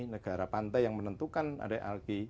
negara pantai yang menentukan ada alki